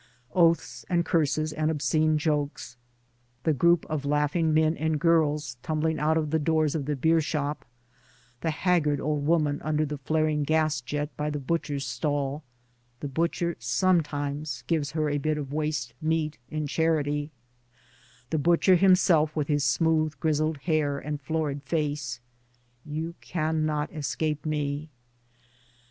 Oaths and curses and obscene jokes ; the group of laughing men and girls tumbling out of the doors of the beershop, the haggard old woman under the flaring gas jet by the butcher's stall (the butcher sometimes gives her a bit of waste meat in charity), the butcher himself with his smooth grisled hair and florid face — you cannot escape me.